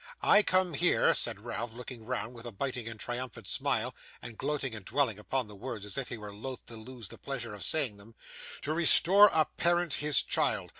I come here,' said Ralph, looking round with a biting and triumphant smile, and gloating and dwelling upon the words as if he were loath to lose the pleasure of saying them, 'to restore a parent his child.